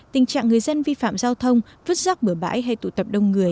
tình trạng người dân vi phạm giao thông vứt dọc bửa bãi hay tụ tập đông người